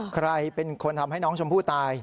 ใครเป็นคนทำให้น้องชมพู่ตาย